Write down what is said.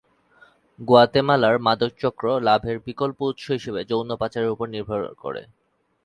গুয়াতেমালার মাদক চক্র লাভের বিকল্প উৎস হিসেবে যৌন পাচারের উপর নির্ভর করে।